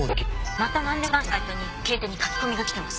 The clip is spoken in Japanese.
またなんでも相談室のサイトに警視宛てに書き込みが来てます。